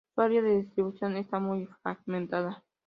Su área de distribución está muy fragmentada.